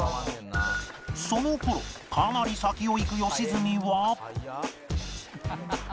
その頃かなり先を行く良純は